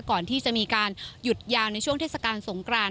ก่อนที่จะมีการหยุดยาวในช่วงเทศกาลสงกราน